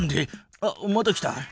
あっまた来た。